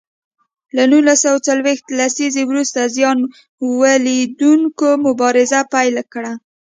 له نولس سوه څلویښت لسیزې وروسته زیان ولیدوونکو مبارزه پیل کړه.